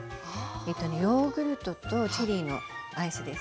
えっとねヨーグルトとチェリーのアイスです。